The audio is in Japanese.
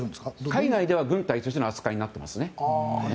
海外では軍隊としての扱いになっていますね。